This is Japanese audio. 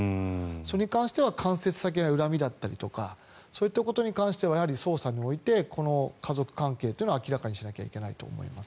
それに関しては間接的な恨みだったりそういったことに関してはやはり捜査においてこの家族関係を明らかにしないといけないと思います。